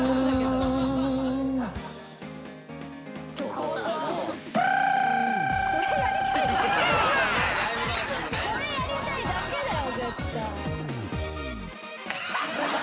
これやりたいだけだよ